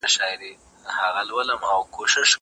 که وخت وي، ځواب ليکم!؟!؟